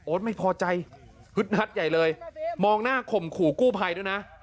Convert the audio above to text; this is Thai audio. ไม่พอใจฮึดฮัดใหญ่เลยมองหน้าข่มขู่กู้ภัยด้วยนะ